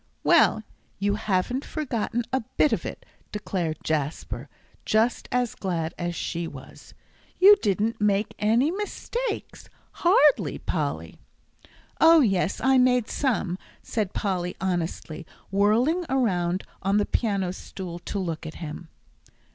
"Well, you haven't forgotten a bit of it," declared Jasper, just as glad as she was. "You didn't make any mistakes, hardly, Polly." "Oh, yes, I made some," said Polly, honestly, whirling around on the piano stool to look at him.